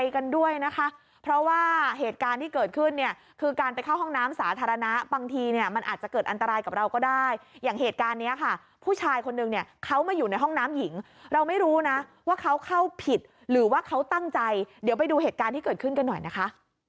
กันด้วยนะคะเพราะว่าเหตุการณ์ที่เกิดขึ้นเนี่ยคือการไปเข้าห้องน้ำสาธารณะบางทีเนี่ยมันอาจจะเกิดอันตรายกับเราก็ได้อย่างเหตุการณ์นี้ค่ะผู้ชายคนนึงเนี่ยเขามาอยู่ในห้องน้ำหญิงเราไม่รู้นะว่าเขาเข้าผิดหรือว่าเขาตั้งใจเดี๋ยวไปดูเหตุการณ์ที่เกิดขึ้นกันหน่อยนะคะ